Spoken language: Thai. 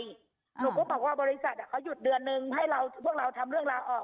หนูก็บอกว่าบริษัทเขาหยุดเดือนนึงให้เราพวกเราทำเรื่องราวออก